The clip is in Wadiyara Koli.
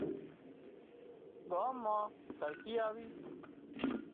ڳام مان ترقي آوي